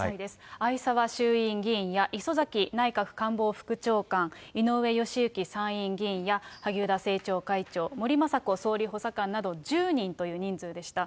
逢沢衆院議員や、磯崎内閣官房副長官、井上義行参院議員や萩生田政調会長、森まさこ総理補佐官など１０人という人数でした。